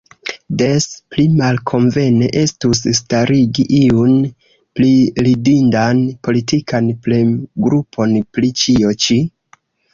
Des pli malkonvene estus starigi iun priridindan politikan premgrupon pri ĉio ĉi.